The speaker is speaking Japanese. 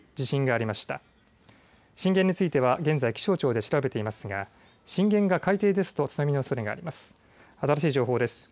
震源については現在、気象庁で調べていますが震源が海底ですと津波のおそれがあります。